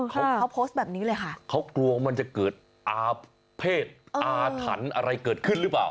เขาเขาโพสต์แบบนี้เลยค่ะเขากลัวว่ามันจะเกิดอาเภษอาถรรพ์อะไรเกิดขึ้นหรือเปล่า